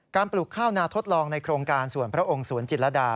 ปลูกข้าวนาทดลองในโครงการส่วนพระองค์สวนจิตรดา